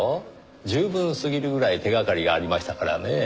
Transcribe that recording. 十分すぎるぐらい手掛かりがありましたからねぇ。